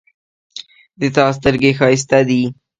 د تا سترګې ښایسته دي